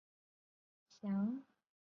李雅郎后事不详。